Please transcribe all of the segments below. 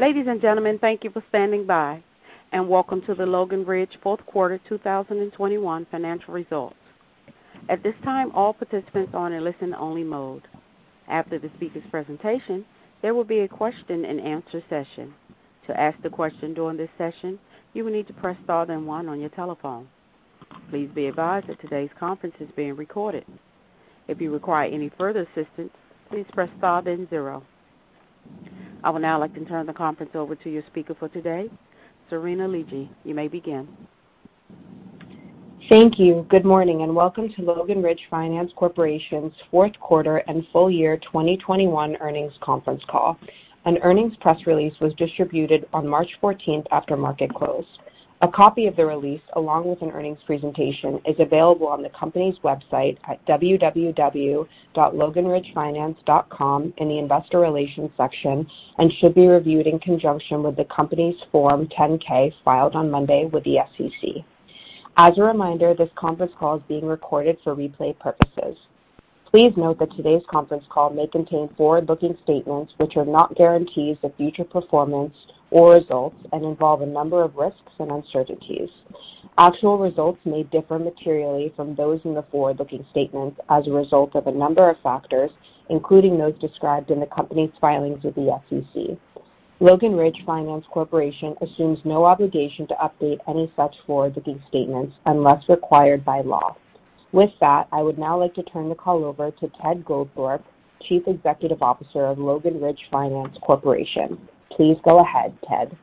Ladies and gentlemen, thank you for standing by, and welcome to the Logan Ridge fourth quarter 2021 financial results. At this time, all participants are in listen-only mode. After the speaker's presentation, there will be a question-and-answer session. To ask the question during this session, you will need to press star then one on your telephone. Please be advised that today's conference is being recorded. If you require any further assistance, please press star then zero. I would now like to turn the conference over to your speaker for today, Serena Liegey. You may begin. Thank you. Good morning and welcome to Logan Ridge Finance Corporation's fourth quarter and full year 2021 earnings conference call. An earnings press release was distributed on March 14th after market close. A copy of the release, along with an earnings presentation, is available on the company's website at www.loganridgefinance.com in the investor relations section and should be reviewed in conjunction with the company's Form 10-K filed on Monday with the SEC. As a reminder, this conference call is being recorded for replay purposes. Please note that today's conference call may contain forward-looking statements which are not guarantees of future performance or results and involve a number of risks and uncertainties. Actual results may differ materially from those in the forward-looking statements as a result of a number of factors, including those described in the company's filings with the SEC. Logan Ridge Finance Corporation assumes no obligation to update any such forward-looking statements unless required by law. With that, I would now like to turn the call over to Ted Goldthorpe, Chief Executive Officer of Logan Ridge Finance Corporation. Please go ahead, Ted.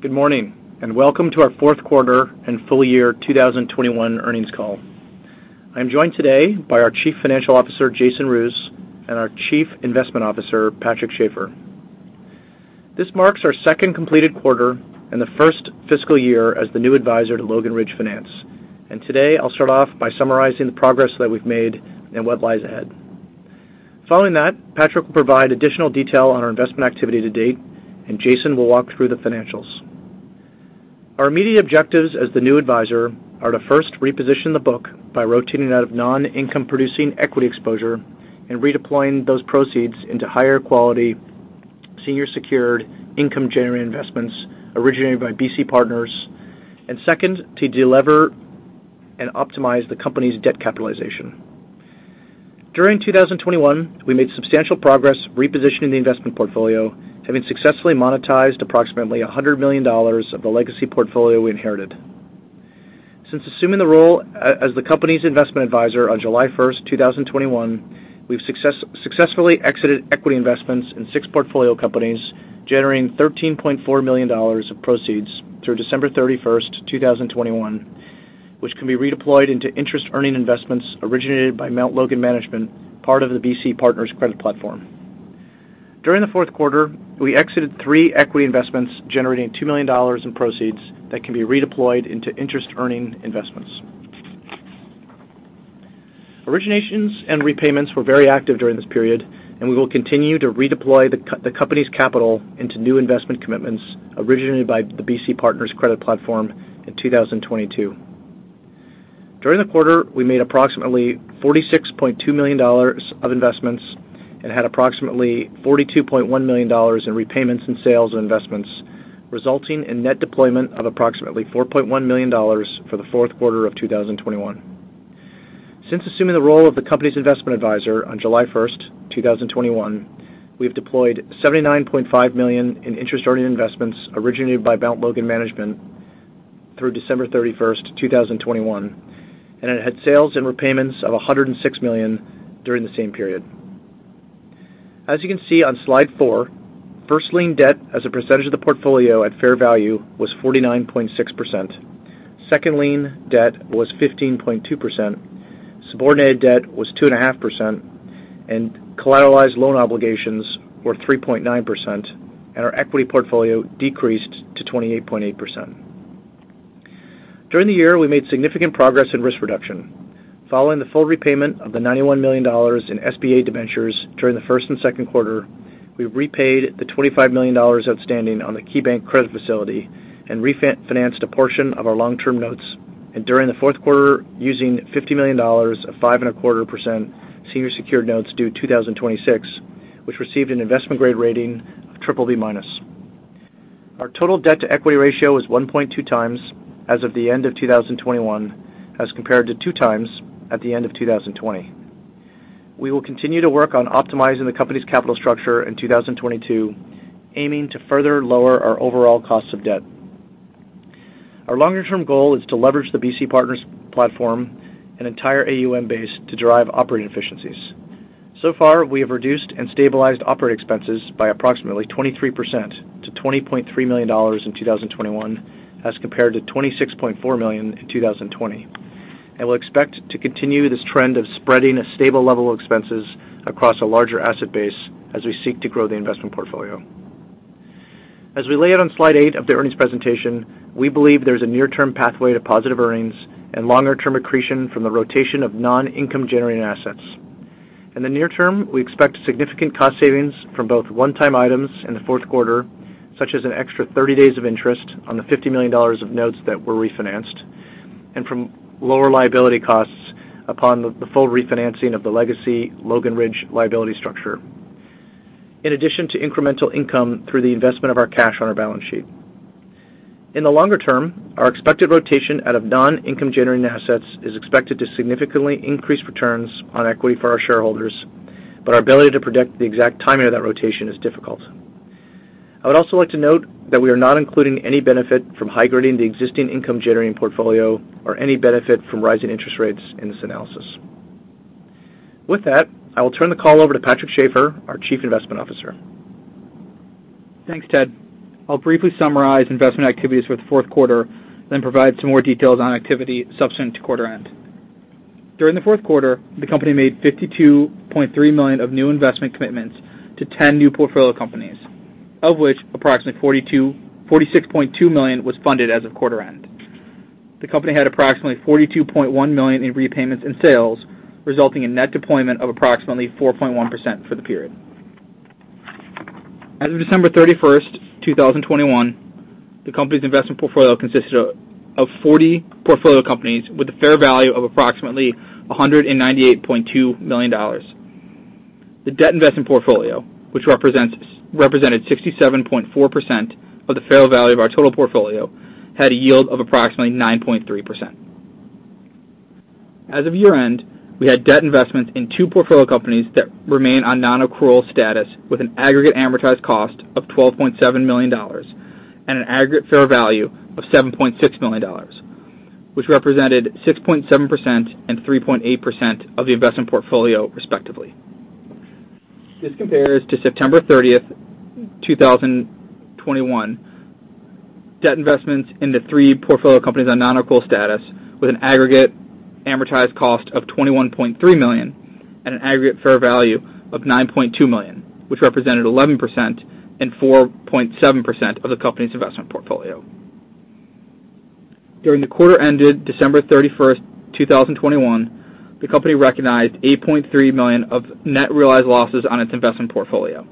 Good morning and welcome to our fourth quarter and full year 2021 earnings call. I'm joined today by our Chief Financial Officer, Jason Roos, and our Chief Investment Officer, Patrick Schafer. This marks our second completed quarter and the first fiscal year as the new advisor to Logan Ridge Finance. Today, I'll start off by summarizing the progress that we've made and what lies ahead. Following that, Patrick will provide additional detail on our investment activity to date, and Jason will walk through the financials. Our immediate objectives as the new advisor are to first reposition the book by rotating out of non-income producing equity exposure and redeploying those proceeds into higher quality, senior secured income generating investments originated by BC Partners. And second, to delever and optimize the company's debt capitalization. During 2021, we made substantial progress repositioning the investment portfolio, having successfully monetized approximately $100 million of the legacy portfolio we inherited. Since assuming the role as the company's investment advisor on July 1st, 2021, we've successfully exited equity investments in six portfolio companies, generating $13.4 million of proceeds through December 31st, 2021, which can be redeployed into interest-earning investments originated by Mount Logan Management, part of the BC Partners credit platform. During the fourth quarter, we exited three equity investments, generating $2 million in proceeds that can be redeployed into interest-earning investments. Originations and repayments were very active during this period, and we will continue to redeploy the company's capital into new investment commitments originated by the BC Partners credit platform in 2022. During the quarter, we made approximately $46.2 million of investments and had approximately $42.1 million in repayments and sales of investments, resulting in net deployment of approximately $4.1 million for the fourth quarter of 2021. Since assuming the role of the company's investment advisor on July 1st, 2021, we have deployed $79.5 million in interest-earning investments originated by Mount Logan Management through December 31st, 2021, and it had sales and repayments of $106 million during the same period. As you can see on slide four, first lien debt as a percentage of the portfolio at fair value was 49.6%. Second lien debt was 15.2%. Subordinated debt was 2.5%, and collateralized loan obligations were 3.9%, and our equity portfolio decreased to 28.8%. During the year, we made significant progress in risk reduction. Following the full repayment of the $91 million in SBA debentures during the first and second quarter, we repaid the $25 million outstanding on the KeyBank credit facility and refinanced a portion of our long-term notes. During the fourth quarter, using $50 million of 5.25% senior secured notes due 2026, which received an investment grade rating of BBB-. Our total debt to equity ratio was 1.2x as of the end of 2021, as compared to 2x at the end of 2020. We will continue to work on optimizing the company's capital structure in 2022, aiming to further lower our overall cost of debt. Our longer-term goal is to leverage the BC Partners platform and entire AUM base to drive operating efficiencies. So far, we have reduced and stabilized operating expenses by approximately 23% to $20.3 million in 2021, as compared to $26.4 million in 2020. We'll expect to continue this trend of spreading a stable level of expenses across a larger asset base as we seek to grow the investment portfolio. As we lay out on slide eight of the earnings presentation, we believe there's a near-term pathway to positive earnings and longer-term accretion from the rotation of non-income generating assets. In the near term, we expect significant cost savings from both one-time items in the fourth quarter, such as an extra 30 days of interest on the $50 million of notes that were refinanced. From lower liability costs upon the full refinancing of the legacy Logan Ridge liability structure. In addition to incremental income through the investment of our cash on our balance sheet. In the longer term, our expected rotation out of non-income generating assets is expected to significantly increase returns on equity for our shareholders, but our ability to predict the exact timing of that rotation is difficult. I would also like to note that we are not including any benefit from high grading the existing income generating portfolio or any benefit from rising interest rates in this analysis. With that, I will turn the call over to Patrick Schafer, our Chief Investment Officer. Thanks, Ted. I'll briefly summarize investment activities for the fourth quarter, then provide some more details on activity subsequent to quarter end. During the fourth quarter, the company made $52.3 million of new investment commitments to 10 new portfolio companies, of which approximately $46.2 million was funded as of quarter end. The company had approximately $42.1 million in repayments and sales, resulting in net deployment of approximately 4.1% for the period. As of December 31st, 2021, the company's investment portfolio consisted of 40 portfolio companies with a fair value of approximately $198.2 million. The debt investment portfolio, which represented 67.4% of the fair value of our total portfolio, had a yield of approximately 9.3%. As of year-end, we had debt investments in two portfolio companies that remain on non-accrual status with an aggregate amortized cost of $12.7 million and an aggregate fair value of $7.6 million, which represented 6.7% and 3.8% of the investment portfolio, respectively. This compares to September 30th, 2021, debt investments in the three portfolio companies on non-accrual status with an aggregate amortized cost of $21.3 million and an aggregate fair value of $9.2 million, which represented 11% and 4.7% of the company's investment portfolio. During the quarter ended December 31st, 2021, the company recognized $8.3 million of net realized losses on its investment portfolio.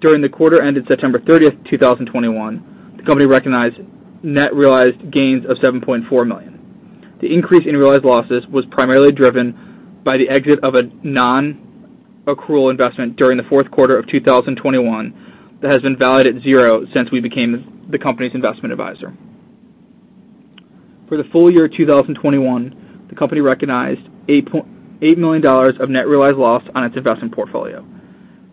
During the quarter ended September 30th, 2021, the company recognized net realized gains of $7.4 million. The increase in realized losses was primarily driven by the exit of a non-accrual investment during the fourth quarter of 2021 that has been valued at zero since we became the company's investment advisor. For the full year 2021, the company recognized $8 million of net realized loss on its investment portfolio.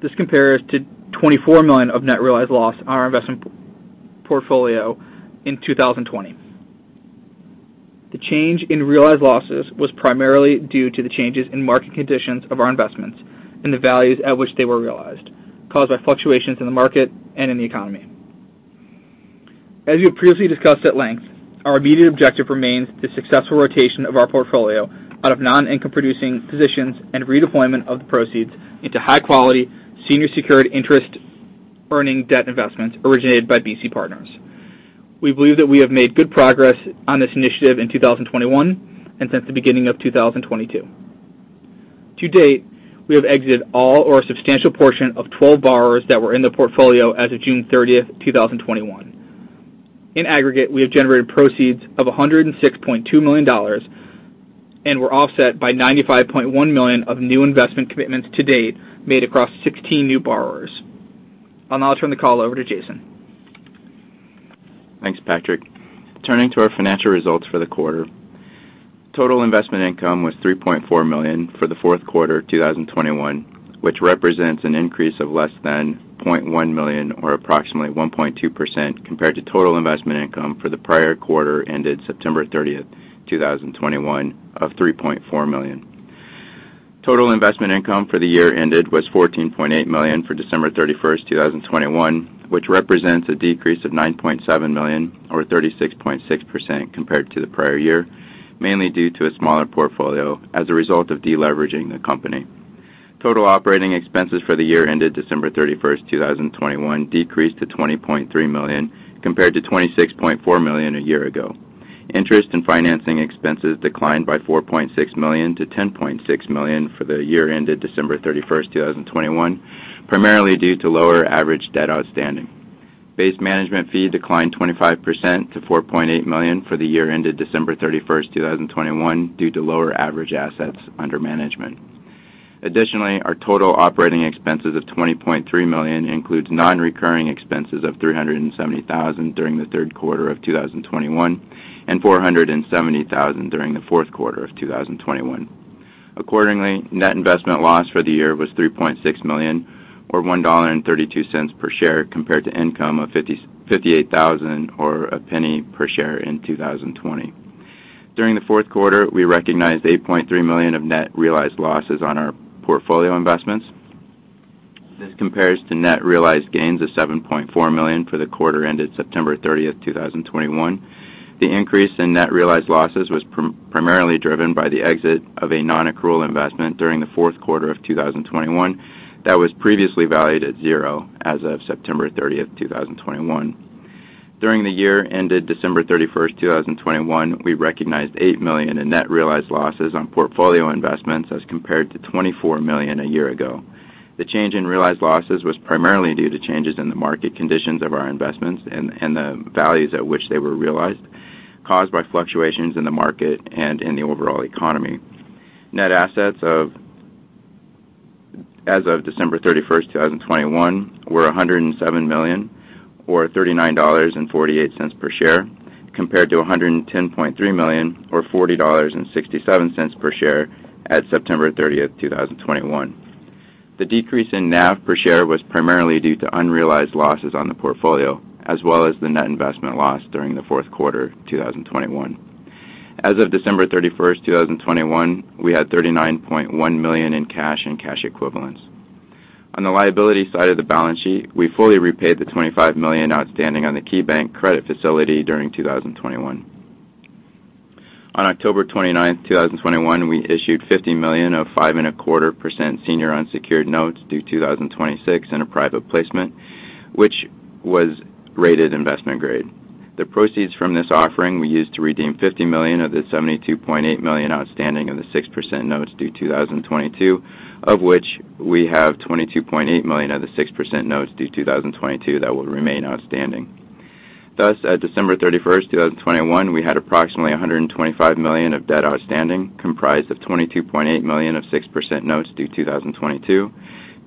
This compares to $24 million of net realized loss on our investment portfolio in 2020. The change in realized losses was primarily due to the changes in market conditions of our investments and the values at which they were realized, caused by fluctuations in the market and in the economy. As we have previously discussed at length, our immediate objective remains the successful rotation of our portfolio out of non-income producing positions and redeployment of the proceeds into high-quality, senior secured interest earning debt investments originated by BC Partners. We believe that we have made good progress on this initiative in 2021 and since the beginning of 2022. To date, we have exited all or a substantial portion of 12 borrowers that were in the portfolio as of June 30, 2021. In aggregate, we have generated proceeds of $106.2 million and were offset by $95.1 million of new investment commitments to date made across 16 new borrowers. I'll now turn the call over to Jason. Thanks, Patrick. Turning to our financial results for the quarter. Total investment income was $3.4 million for the fourth quarter 2021, which represents an increase of less than $0.1 million or approximately 1.2% compared to total investment income for the prior quarter ended September 30th, 2021 of $3.4 million. Total investment income for the year ended was $14.8 million for December 31st, 2021, which represents a decrease of $9.7 million or 36.6% compared to the prior year, mainly due to a smaller portfolio as a result of deleveraging the company. Total operating expenses for the year ended December 31st, 2021 decreased to $20.3 million compared to $26.4 million a year ago. Interest and financing expenses declined by $4.6 million to $10.6 million for the year ended December 31st, 2021, primarily due to lower average debt outstanding. Base management fee declined 25% to $4.8 million for the year ended December 31st, 2021 due to lower average assets under management. Additionally, our total operating expenses of $20.3 million includes non-recurring expenses of $370,000 during the third quarter of 2021 and $470,000 during the fourth quarter of 2021. Accordingly, net investment loss for the year was $3.6 million or $1.32 per share compared to income of $58,000 or $0.01 per share in 2020. During the fourth quarter, we recognized $8.3 million of net realized losses on our portfolio investments. This compares to net realized gains of $7.4 million for the quarter ended September 30th, 2021. The increase in net realized losses was primarily driven by the exit of a non-accrual investment during the fourth quarter of 2021 that was previously valued at zero as of September 30th, 2021. During the year ended December 31st, 2021, we recognized $8 million in net realized losses on portfolio investments as compared to $24 million a year ago. The change in realized losses was primarily due to changes in the market conditions of our investments and the values at which they were realized, caused by fluctuations in the market and in the overall economy. As of December 31st, 2021, we had $107 million or $39.48 per share, compared to $110.3 million or $40.67 per share at September 30th, 2021. The decrease in NAV per share was primarily due to unrealized losses on the portfolio, as well as the net investment loss during the fourth quarter 2021. As of December 31st, 2021, we had $39.1 million in cash and cash equivalents. On the liability side of the balance sheet, we fully repaid the $25 million outstanding on the KeyBank credit facility during 2021. On October 29th, 2021, we issued $50 million of 5.25% senior unsecured notes due 2026 in a private placement, which was rated investment grade. The proceeds from this offering we used to redeem $50 million of the $72.8 million outstanding of the 6% notes due 2022, of which we have $22.8 million of the 6% notes due 2022 that will remain outstanding. Thus, at December 31st, 2021, we had approximately $125 million of debt outstanding, comprised of $22.8 million of 6% notes due 2022,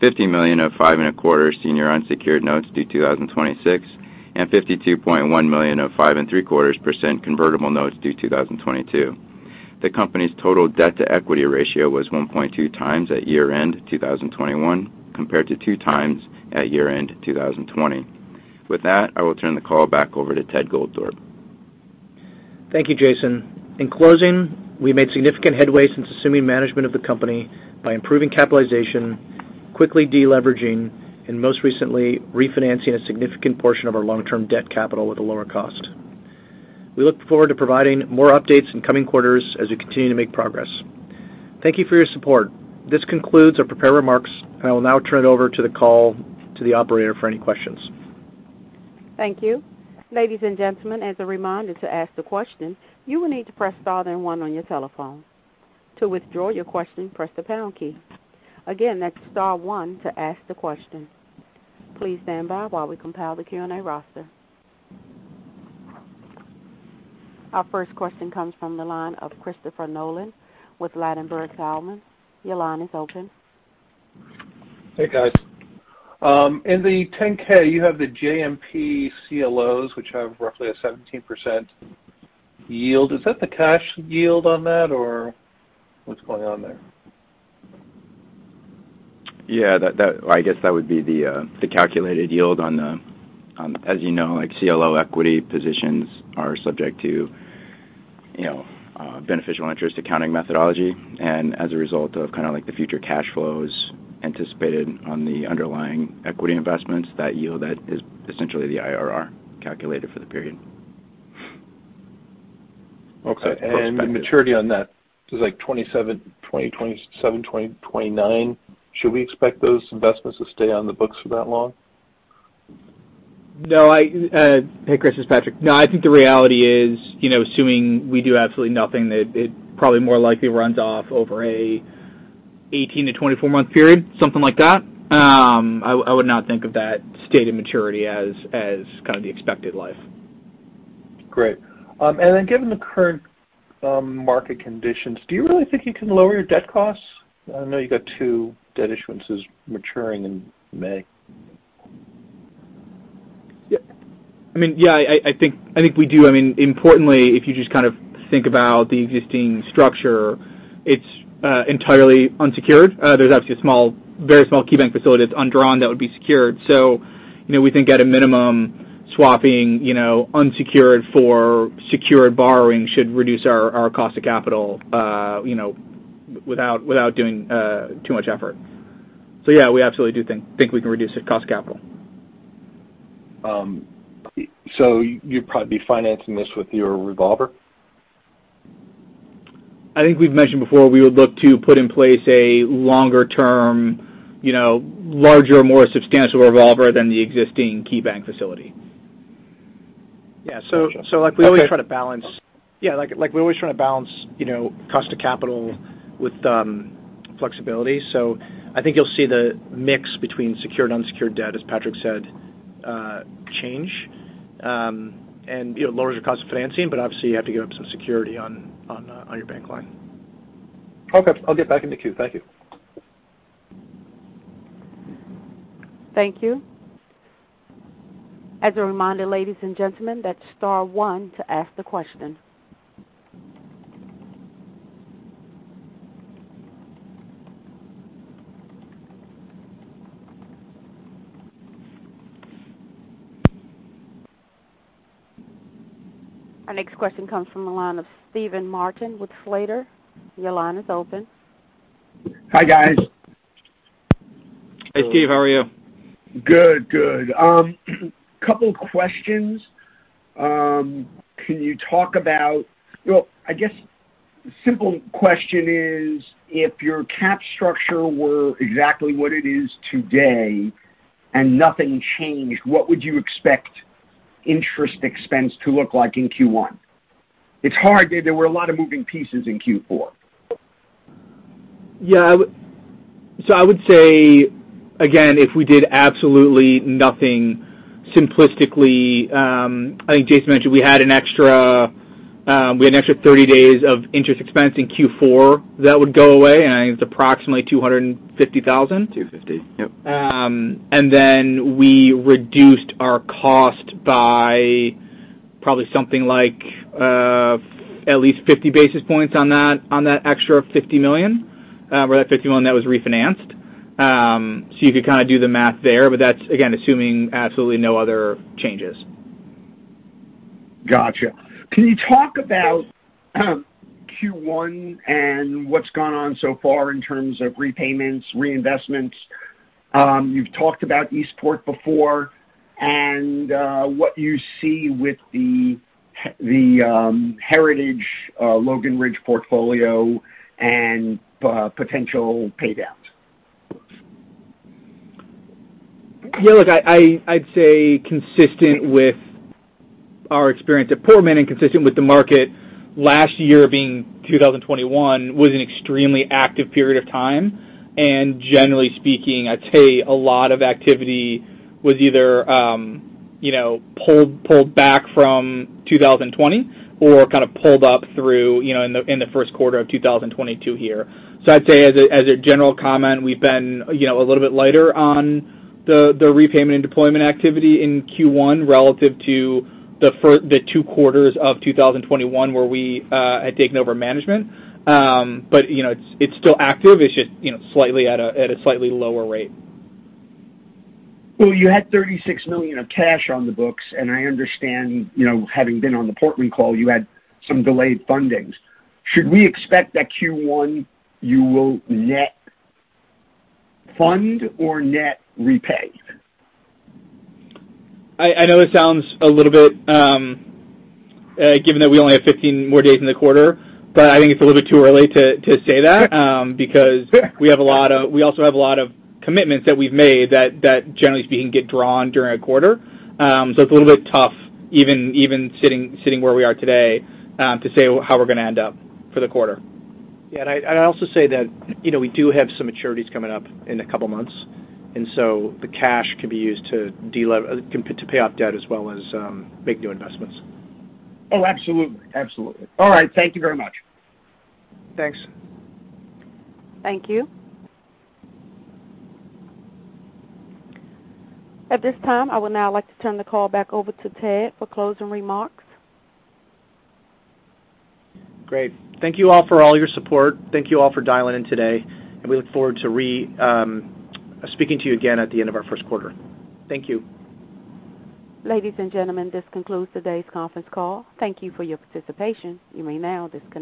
$50 million of 5.25% senior unsecured notes due 2026, and $52.1 million of 5.75% convertible notes due 2022. The company's total debt-to-equity ratio was 1.2x at year-end 2021, compared to 2x at year-end 2020. With that, I will turn the call back over to Ted Goldthorpe. Thank you, Jason. In closing, we made significant headway since assuming management of the company by improving capitalization, quickly deleveraging, and most recently, refinancing a significant portion of our long-term debt capital at a lower cost. We look forward to providing more updates in coming quarters as we continue to make progress. Thank you for your support. This concludes our prepared remarks, and I will now turn the call over to the operator for any questions. Thank you. Ladies and gentlemen, as a reminder, to ask the question, you will need to press star then one on your telephone. To withdraw your question, press the pound key. Again, that's star one to ask the question. Please stand by while we compile the Q&A roster. Our first question comes from the line of Christopher Nolan with Ladenburg Thalmann. Your line is open. Hey, guys. In the 10-K, you have the JMP CLOs, which have roughly a 17% yield. Is that the cash yield on that or what's going on there? Yeah, I guess that would be the calculated yield on the CLO equity positions, as you know, like, are subject to, you know, beneficial interest accounting methodology. As a result of kinda like the future cash flows anticipated on the underlying equity investments, that yield, that is essentially the IRR calculated for the period. Okay. The maturity on that is like 2027, 2029. Should we expect those investments to stay on the books for that long? Hey, Chris, it's Patrick. No, I think the reality is, you know, assuming we do absolutely nothing, that it probably more likely runs off over an 18- to 24-month period, something like that. I would not think of that stated maturity as kind of the expected life. Great. Given the current market conditions, do you really think you can lower your debt costs? I know you got two debt issuances maturing in May. Yeah. I mean, yeah, I think we do. I mean, importantly, if you just kind of think about the existing structure, it's entirely unsecured. There's actually a small, very small KeyBank facility that's undrawn that would be secured. You know, we think at a minimum, swapping, you know, unsecured for secured borrowing should reduce our cost of capital, you know, without doing too much effort. So yeah, we absolutely do think we can reduce the cost of capital. You'd probably be financing this with your revolver? I think we've mentioned before we would look to put in place a longer-term, you know, larger, more substantial revolver than the existing KeyBank facility. Yeah. Gotcha. Okay. Like, we always try to balance, you know, cost of capital with flexibility. I think you'll see the mix between secured and unsecured debt, as Patrick said, change and, you know, lower your cost of financing, but obviously, you have to give up some security on your bank line. Okay. I'll get back in the queue. Thank you. Thank you. As a reminder, ladies and gentlemen, that's star one to ask the question. Our next question comes from the line of Steven Martin with Slater. Your line is open. Hi, guys. Hey, Steven. How are you? Good. Couple questions. Well, I guess the simple question is, if your cap structure were exactly what it is today and nothing changed, what would you expect interest expense to look like in Q1? It's hard. There were a lot of moving pieces in Q4. I would say, again, if we did absolutely nothing simplistically, I think Jason mentioned we had an extra 30 days of interest expense in Q4 that would go away, and I think it's approximately $250,000. $250,000. Yep. We reduced our cost by probably something like at least 50 basis points on that extra $50 million, or that $50 million that was refinanced. You could kinda do the math there. That's, again, assuming absolutely no other changes. Gotcha. Can you talk about Q1 and what's gone on so far in terms of repayments, reinvestments? You've talked about Eastport before and what you see with the Heritage Logan Ridge portfolio and potential payouts. Yeah, look, I'd say consistent with our experience at Portman and consistent with the market last year being 2021 was an extremely active period of time. Generally speaking, I'd say a lot of activity was either, you know, pulled back from 2020 or kind of pulled up through, you know, in the first quarter of 2022 here. I'd say as a general comment, we've been, you know, a little bit lighter on the repayment and deployment activity in Q1 relative to the two quarters of 2021 where we had taken over management. It's still active. It's just, you know, slightly at a lower rate. Well, you had $36 million of cash on the books, and I understand, you know, having been on the Portman call, you had some delayed fundings. Should we expect that Q1 you will net fund or net repay? I know this sounds a little bit given that we only have 15 more days in the quarter, but I think it's a little bit too early to say that. Fair. Because we also have a lot of commitments that we've made that generally speaking get drawn during a quarter. It's a little bit tough even sitting where we are today to say how we're gonna end up for the quarter. Yeah. I'd also say that, you know, we do have some maturities coming up in a couple months, and so the cash can be used to pay off debt as well as make new investments. Oh, absolutely. All right. Thank you very much. Thanks. Thank you. At this time, I would now like to turn the call back over to Ted for closing remarks. Great. Thank you all for all your support. Thank you all for dialing in today, and we look forward to speaking to you again at the end of our first quarter. Thank you. Ladies and gentlemen, this concludes today's conference call. Thank you for your participation. You may now disconnect.